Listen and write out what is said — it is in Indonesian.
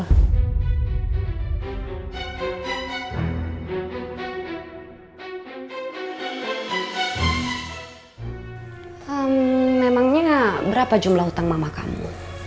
ehm memangnya gak berapa jumlah utang mama kamu